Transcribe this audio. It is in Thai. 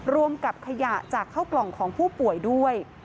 รวมกับขยะจากเข้ากล่องของผู้ป่วยด้วย